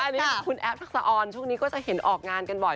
อันนี้คุณแอฟทักษะออนช่วงนี้ก็จะเห็นออกงานกันบ่อย